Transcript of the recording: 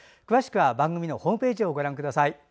詳しくは番組のホームページをご覧ください。